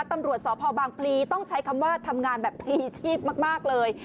ตำรวจสพบางพลีต้องใช้คำว่าทำงานแบบพลีชีพมากเลย